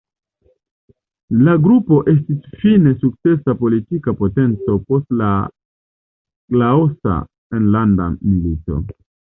La grupo estis fine sukcesa politika potenco post la Laosa Enlanda Milito.